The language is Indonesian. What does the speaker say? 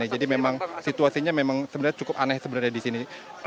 jadi memang situasinya memang sebenarnya cukup aneh sebenarnya di sini